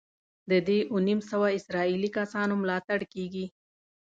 د دې اووه نیم سوه اسرائیلي کسانو ملاتړ کېږي.